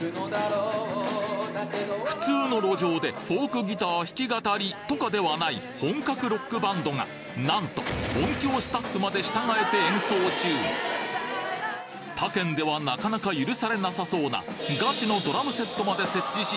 普通の路上でフォークギター弾き語りとかではない本格ロックバンドがなんと音響スタッフまで従えて演奏中他県ではなかなか許されなさそうなガチのドラムセットまで設置し